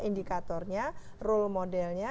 indikatornya role modelnya